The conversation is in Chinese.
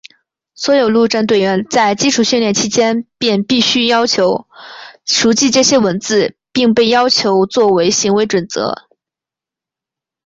所有陆战队员在基础训练期间便必须熟记这些文字并被要求作为行为准则。